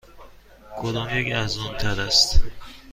کدامیک ارزان تر است؟